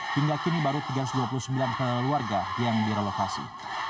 hingga kini baru tiga ratus dua puluh sembilan keluarga yang direlokasi